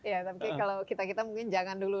ya tapi kalau kita kita mungkin jangan dulu